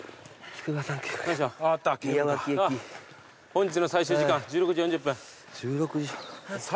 本日の最終時間１６時４０分。